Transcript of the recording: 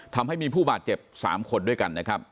ทำให้มีผู้บาดเจ็บ๓คนด้วยกันนะครับ